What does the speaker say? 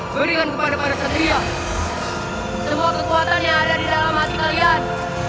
berikan kepada pada setiap semua kekuatan yang ada di dalam hati kalian